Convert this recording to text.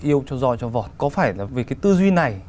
yêu cho do cho vọt có phải là vì cái tư duy này